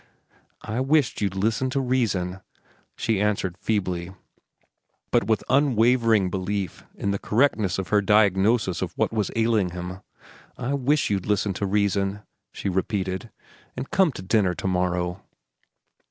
"I wish't you'd listen to reason," she answered feebly, but with unwavering belief in the correctness of her diagnosis of what was ailing him. "I wish't you'd listen to reason," she repeated, "an' come to dinner to morrow."